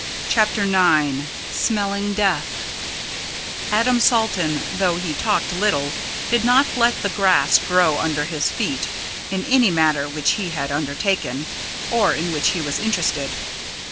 CHAPTER IX SMELLING DEATH Adam Salton, though he talked little, did not let the grass grow under his feet in any matter which he had undertaken, or in which he was interested.